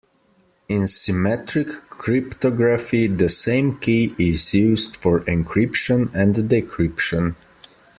In symmetric cryptography the same key is used for encryption and decryption.